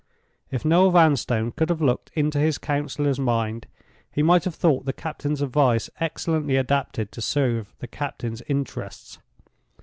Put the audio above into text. If Noel Vanstone could have looked into his counselor's mind, he might have thought the captain's advice excellently adapted to serve the captain's interests.